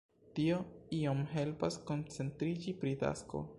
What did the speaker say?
Tio iom helpas koncentriĝi pri tasko.